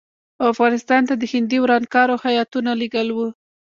او افغانستان ته د هندي ورانکارو هیاتونه لېږل وو.